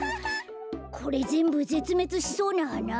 これぜんぶぜつめつしそうなはな？